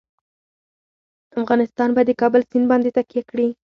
افغانستان په د کابل سیند باندې تکیه لري.